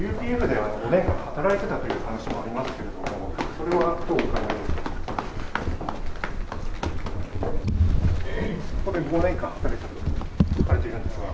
ＵＰＦでは５年間働いてたという話もありますけれども、それはどうお考えですか？